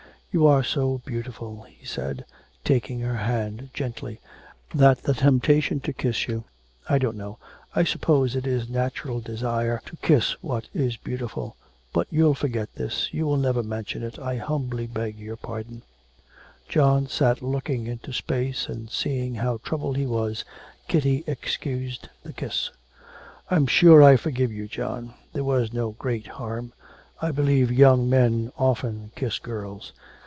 You are so beautiful,' he said, taking her hand gently, 'that the temptation to kiss you I don't know... I suppose it is natural desire to kiss what is beautiful. But you'll forget this, you will never mention it. I humbly beg your pardon.' John sat looking into space, and, seeing how troubled he was, Kitty excused the kiss. 'I'm sure I forgive you, John. There was no great harm. I believe young men often kiss girls.